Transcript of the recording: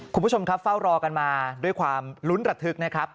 คุณผู้ชมครับเฝ้ารอกันมาด้วยความลุ้นระทึกนะครับ